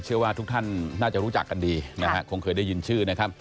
เชื่อว่าทุกท่านน่าจะรู้จักกันดีนะฮะคงเคยได้ยินชื่อนะครับ